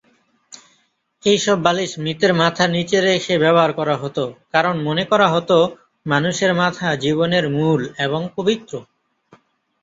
এইসব বালিশ মৃতের মাথার নিচে রেখে ব্যবহার করা হতো কারণ মনে করা হতো মানুষের মাথা জীবনের মূল এবং পবিত্র।